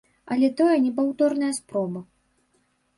Але тое непаўторная спроба.